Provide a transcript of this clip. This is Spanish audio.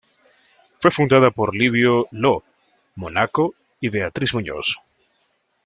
Fue fundada por Livio Lo Monaco y Beatriz Muñoz.